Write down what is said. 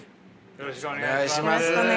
よろしくお願いします。